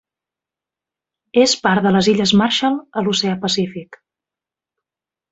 És part de les Illes Marshall a l'Oceà Pacífic.